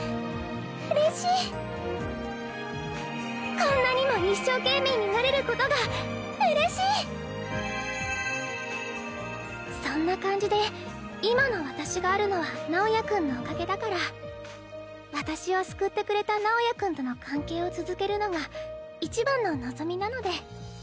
こんなにも一生懸命になれることがそんな感じで今の私があるのは直也君のおかげだから私を救ってくれた直也君との関係を続けるのがいちばんの望みなので。